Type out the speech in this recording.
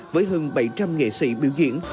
với hơn bảy trăm linh nghệ sĩ biểu diễn